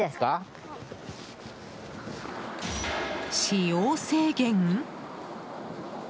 使用制限？